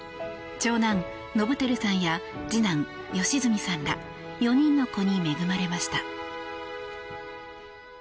長男・伸晃さんや次男・良純さんら４人の子どもに恵まれました。